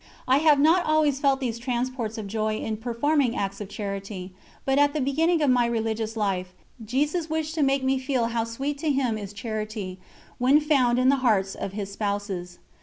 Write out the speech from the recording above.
I have not always felt these transports of joy in performing acts of charity, but at the beginning of my religious life Jesus wished to make me feel how sweet to Him is charity, when found in the hearts of his Spouses.